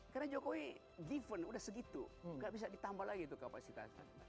karena jokowi given sudah segitu tidak bisa ditambah lagi itu kapasitasnya